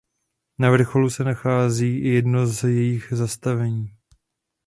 Na vrcholu se nachází i jedno z jejích zastavení.